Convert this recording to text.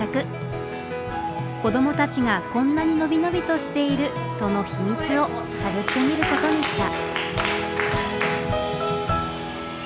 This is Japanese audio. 子どもたちがこんなに伸び伸びとしているその秘密を探ってみることにした。